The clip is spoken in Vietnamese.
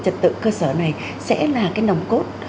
trật tự cơ sở này sẽ là cái nồng cốt